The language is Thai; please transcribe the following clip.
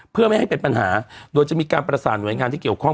เพื่อไม่ให้เป็นปัญหาโดยจะมีการประสานหน่วยงานที่เกี่ยวข้อง